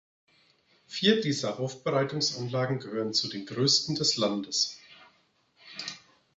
Vier dieser Aufbereitungsanlagen gehören zu den größten des Landes.